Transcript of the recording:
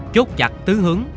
chốt chặt tứ hướng